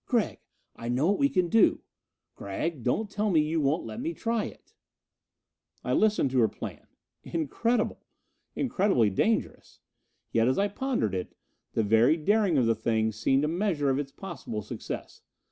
"Gregg, I know what we can do! Gregg, don't tell me you won't let me try it!" I listened to her plan. Incredible! Incredibly dangerous! Yet, as I pondered it, the very daring of the thing seemed the measure of its possible success.